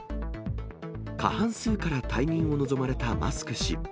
過半数から退任を望まれたマスク氏。